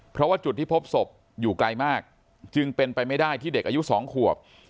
เพราะว่าจุดที่พบศพอยู่ไกลมากจึงเป็นไปไม่ได้ที่เด็กอายุ๒ขวบ